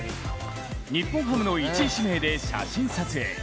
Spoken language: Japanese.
日本ハムの１位指名で写真撮影。